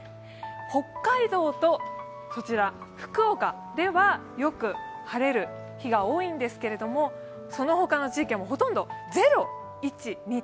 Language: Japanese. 北海道と福岡では、よく晴れる日が多いんですけど、そのほかの地域はほとんど０、１、２度。